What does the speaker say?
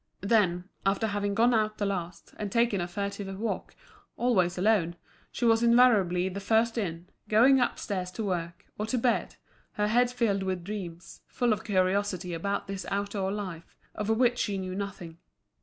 Then, after having gone out the last and taken a furtive walk, always alone, she was invariably the first in, going upstairs to work, or to bed, her head filled with dreams, full of curiosity about this outdoor life, of which she knew nothing.